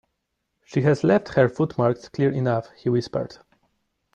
"She has left her footmarks clear enough," he whispered.